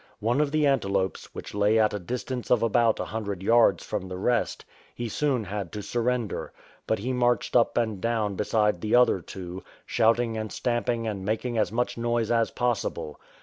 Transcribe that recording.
One of the ante lopes, which lay at a distance of about a hundred yards from the rest, he soon had to surrender, but he marched up and down beside the other two, shouting and stcunping and making as much noise as possible.